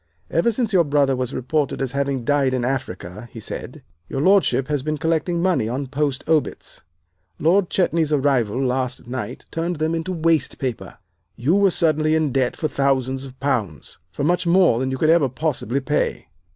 "'Ever since your brother was reported as having died in Africa,' he said, 'your Lordship has been collecting money on post obits. Lord Chetney's arrival last night turned them into waste paper. You were suddenly in debt for thousands of pounds for much more than you could ever possibly pay.